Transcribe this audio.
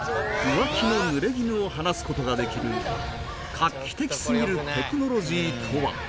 浮気の濡れ衣を晴らす事ができる画期的すぎるテクノロジーとは？